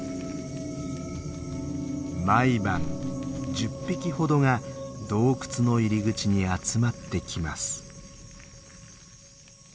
毎晩１０匹ほどが洞窟の入り口に集まってきます。